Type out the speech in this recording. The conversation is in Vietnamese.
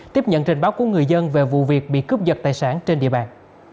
tiếp nhận trình báo của người dân về vụ việc bị cướp giật tài sản trên địa bàn